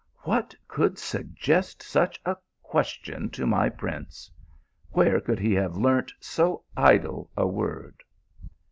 " What could suggest such a question to my prince ? where could he have learnt so idle a word